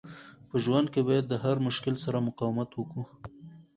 په ژوند کښي باید د هر مشکل سره مقاومت وکو.